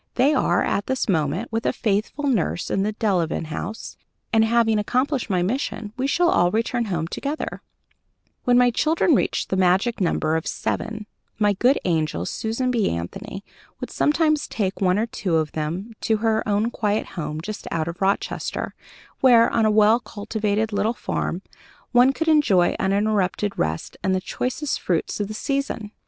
They are, at this moment, with a faithful nurse at the Delevan House, and, having accomplished my mission, we shall all return home together." When my children reached the magic number of seven, my good angel, Susan B. Anthony, would sometimes take one or two of them to her own quiet home, just out of Rochester, where, on a well cultivated little farm, one could enjoy uninterrupted rest and the choicest fruits of the season.